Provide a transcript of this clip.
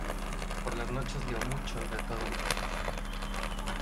Por las noches leo mucho, de todo un poco...